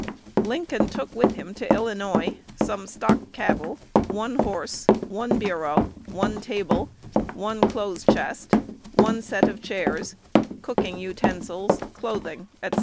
Lincoln took with him to Illinois "some stock cattle, one horse, one bureau, one table, one clothes chest, one set of chairs, cooking utensils, clothing," &c.